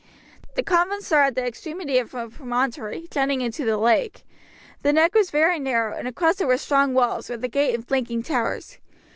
The convent stood at the extremity of a promontory jutting into the lake. The neck was very narrow, and across it were strong walls, with a gate and flanking towers.